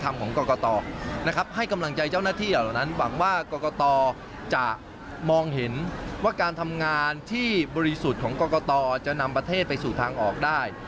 มองเห็นว่าการทำงานที่บริสุทธิ์ของกรกตจะนำประเทศไปสู่ทางออกได้